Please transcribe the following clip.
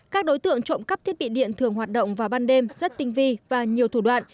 các đối tượng trộm cắp thiết bị điện thường hoạt động vào ban đêm rất tinh vi và nhiều thủ đoạn